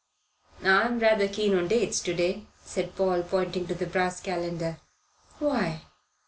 "I'm rather keen on dates to day," said Paul, pointing to the brass calendar. "Why?"